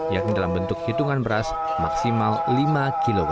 yakni dalam bentuk hitungan beras maksimal lima kg